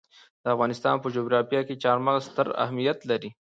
د افغانستان په جغرافیه کې چار مغز ستر اهمیت لري.